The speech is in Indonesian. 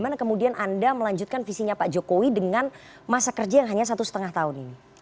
bagaimana kemudian anda melanjutkan visinya pak jokowi dengan masa kerja yang hanya satu setengah tahun ini